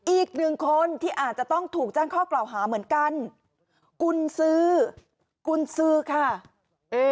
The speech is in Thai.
อีกหนึ่งคนที่อาจจะต้องถูกแจ้งข้อกล่าวหาเหมือนกันกุญซื้อกุญซื้อค่ะ